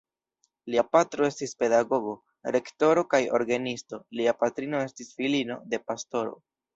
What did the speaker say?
Lia patro estis pedagogo, rektoro kaj orgenisto, lia patrino estis filino de pastoro.